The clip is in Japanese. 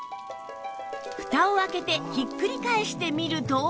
フタを開けてひっくり返してみると